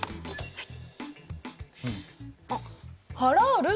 はい。